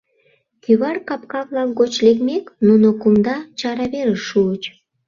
Кӱвар капка-влак гоч лекмек, нуно кумда чараверыш шуыч.